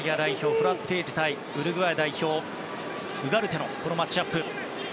フラッテージ対ウルグアイ代表ウガルテのマッチアップ。